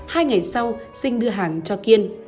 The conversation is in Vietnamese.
hai ngày sau sinh đưa hàng cho kiên